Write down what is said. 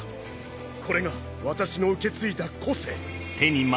これが私の受け継いだ個性。